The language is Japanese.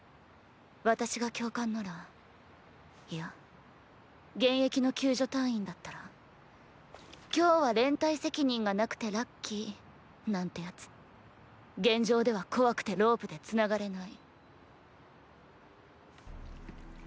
私が教官ならイヤ現役の救助隊員だったら「今日は“連帯責任”が無くてラッキー」なんて奴現場では怖くてロープで繋がれない。